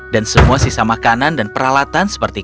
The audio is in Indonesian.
dan semua sisa makanan dan peralatan seperti